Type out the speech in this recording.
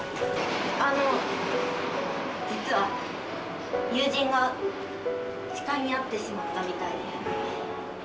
あの、実は友人が痴漢に遭ってしまったみたいで。